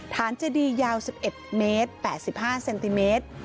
ฐานเจดียาว๑๑เมตร๘๕เซนติเมตร